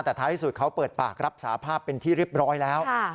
แต่ท้ายที่สุดเขาเปิดปากรับสาภาพเป็นที่เรียบร้อยแล้ว